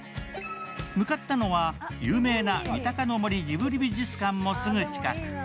向かったのは有名な三鷹の森ジブリ美術館もすぐ近く。